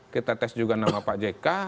kita tes juga nama pak jk